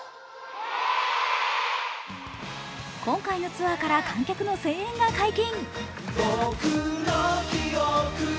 今回のツアーから観客の声援が解禁。